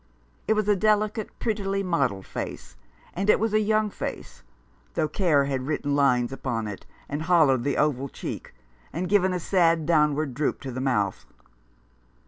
It was a delicate, prettily modelled face, and it was a young face, though care had written lines upon it, and hollowed the oval cheek, and given a sad down ward droop to the mouth.